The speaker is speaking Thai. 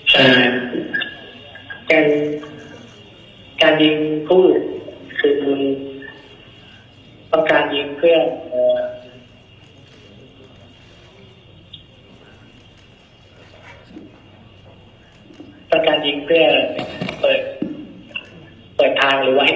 ใช่แต่การยิงผู้อุ่นคือว่าการยิงเพื่อเปิดทางหรือว่าให้กลัวนะ